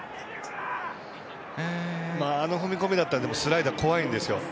あの踏み込みならスライダー、怖いんですよ。